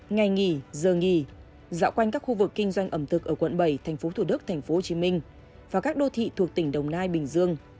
ngày nghỉ giờ nghỉ dạo quanh các khu vực kinh doanh ẩm thực ở quận bảy tp thcm và các đô thị thuộc tỉnh đồng nai bình dương